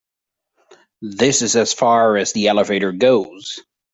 This is as far as the elevator goes.